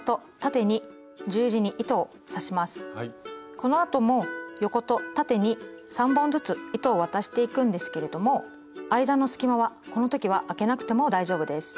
このあとも横と縦に３本ずつ糸を渡していくんですけれども間の隙間はこの時はあけなくても大丈夫です。